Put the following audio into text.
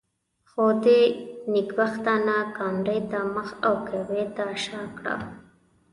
خو دې نېکبختانو کامرې ته مخ او کعبې ته شا کړه.